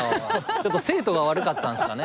ちょっと生徒が悪かったんすかね。